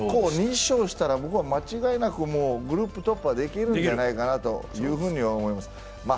２勝したら間違いなくグループ突破できるんじゃないかなと思います。